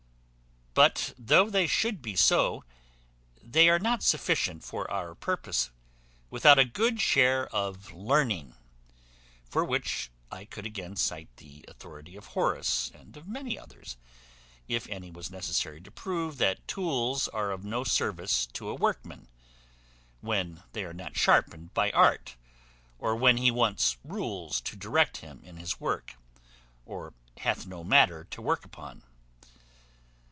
But though they should be so, they are not sufficient for our purpose, without a good share of learning; for which I could again cite the authority of Horace, and of many others, if any was necessary to prove that tools are of no service to a workman, when they are not sharpened by art, or when he wants rules to direct him in his work, or hath no matter to work upon.